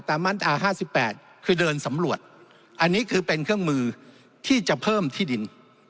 มาตรา๕๘คือเดินสำรวจอันนี้คือเป็นเครื่องมือที่จะเพิ่มที่ดิน